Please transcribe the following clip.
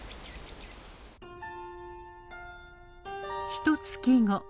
ひとつき後。